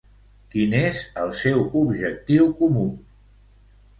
Quin és el seu objectiu comú?